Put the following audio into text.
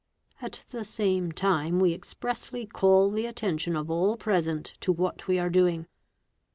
At the same time we expressly call the attention of all present to what we are doing.